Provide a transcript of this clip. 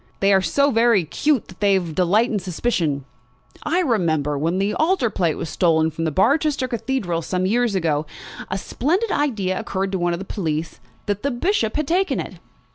They are so very 'cute that they delight in suspicions. I remember, when the altar plate was stolen from Barchester Cathedral some years ago, a splendid idea occurred to one of the police, that the Bishop had taken it!"